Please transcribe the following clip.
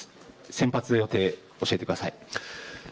先発予定を教えてください。